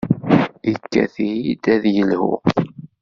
Ikad-iyi-d ad yelhu.